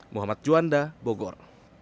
muhammad juanda bogor